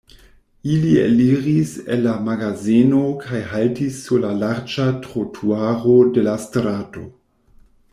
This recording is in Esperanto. Ili eliris el la magazeno kaj haltis sur la larĝa trotuaro de la strato.